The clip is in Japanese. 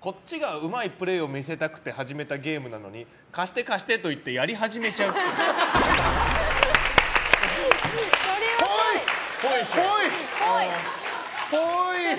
こっちがうまいプレーを見せたくてやり始めたゲームなのに貸して貸して！と言ってっぽい！